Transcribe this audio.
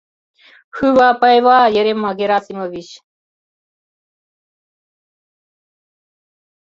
— Хӱвӓӓ пӓйвӓӓ, Ерема Герасимович!